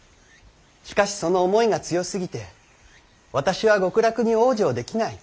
しかしその思いが強すぎて私は極楽に往生できない。